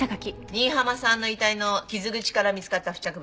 新浜さんの遺体の傷口から見つかった付着物